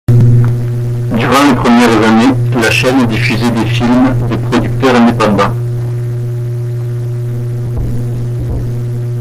Durant les premières années, la chaîne diffusait des films de producteurs indépendants.